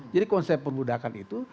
jadi konsep perbuddhakan itu